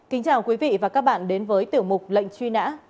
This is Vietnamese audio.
kính chào quý vị và các bạn đến với tiểu mục lệnh truy nã